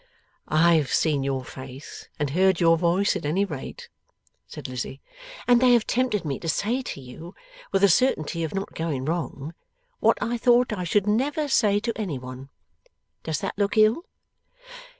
'I have seen your face, and heard your voice, at any rate,' said Lizzie, 'and they have tempted me to say to you with a certainty of not going wrong what I thought I should never say to any one. Does that look ill?